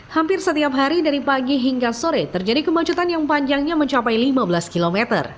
hampir setiap hari dari pagi hingga sore terjadi kemacetan yang panjangnya mencapai lima belas km